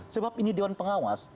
sebab ini dewan pengawas